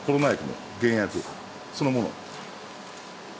そのもの。